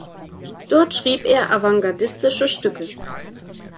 Dort schrieb er avantgardistische Stücke.